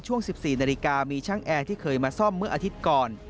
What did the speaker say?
ช่วง๑๔นาฬิกามีช่างแอร์ที่เคยมาซ่อมเมื่ออาทิตย์ก่อน